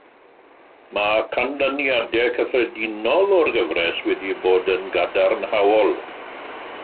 Mae canlyniadau cyffredinol o'r gyfres wedi bod yn gadarnhaol.